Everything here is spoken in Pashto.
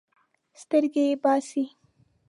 سترګې یې باسي.